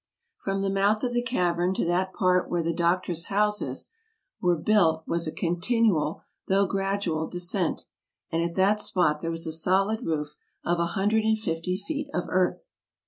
From the mouth of the cavern to that part where the doctor's houses were built was a continual, though gradual, descent, and at that spot there was a solid roof of a hundred and fifty feet of earth.